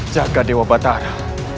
jaga dewa batara